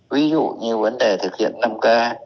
ví dụ như vấn đề thực hiện năm k